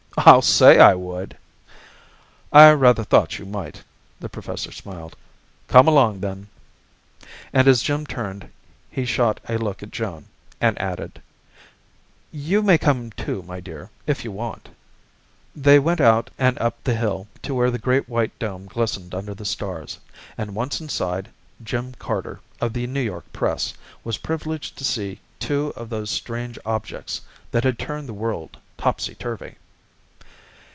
"I'll say I would!" "I rather thought you might," the professor smiled. "Come along, then." And as Jim turned, he shot a look at Joan, and added: "You may come too, my dear, if you want." They went out and up the hill to where the great white dome glistened under the stars, and once inside, Jim Carter of The New York Press was privileged to see two of those strange objects that had turned the world topsy turvy.